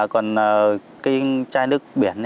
còn cái chai nước biển